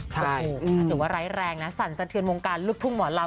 โอ้โหถือว่าร้ายแรงนะสั่นสะเทือนวงการลูกทุ่งหมอลำ